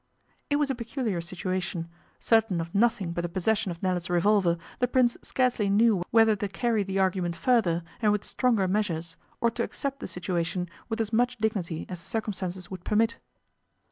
It was a peculiar situation. Certain of nothing but the possession of Nella's revolver, the Prince scarcely knew whether to carry the argument further, and with stronger measures, or to accept the situation with as much dignity as the circumstances would permit.